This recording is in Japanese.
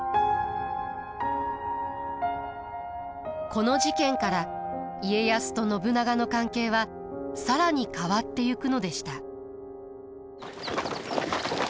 この事件から家康と信長の関係は更に変わってゆくのでした。